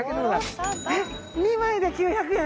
２枚で９００円。